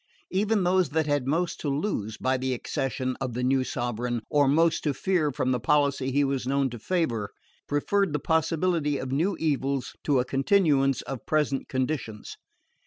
Even those that had most to lose by the accession of the new sovereign, or most to fear from the policy he was known to favour, preferred the possibility of new evils to a continuance of present conditions.